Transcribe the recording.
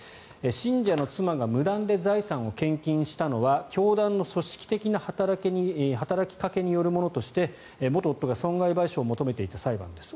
信者の妻が無断で財産を献金したのは教団の組織的な働きかけによるものとして元夫が損害賠償を求めていた裁判です。